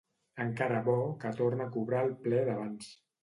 Encara bo que torna a cobrar el ple d'abans.